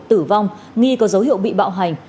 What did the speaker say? tử vong nghi có dấu hiệu bị bạo hành